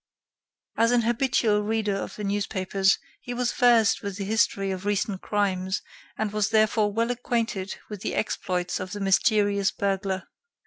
As an habitual reader of the newspapers, he was versed in the history of recent crimes, and was therefore well acquainted with the exploits of the mysterious burglar.